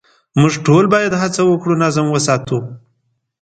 موږ ټول باید هڅه وکړو نظم وساتو.